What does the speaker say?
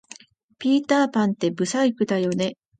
ピーターパンって不細工だよね